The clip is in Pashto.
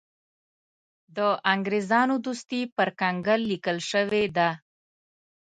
د انګرېزانو دوستي پر کنګل لیکل شوې ده.